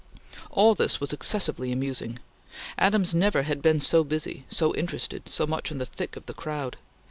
All this was excessively amusing. Adams never had been so busy, so interested, so much in the thick of the crowd.